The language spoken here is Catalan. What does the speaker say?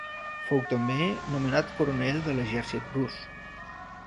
Fou també nomenat coronel de l'exèrcit rus.